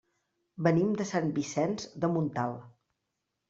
Venim de Sant Vicenç de Montalt.